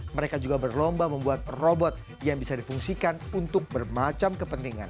mereka juga berlomba membuat robot yang bisa difungsikan untuk bermacam kepentingan